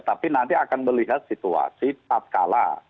tapi nanti akan melihat situasi tatkala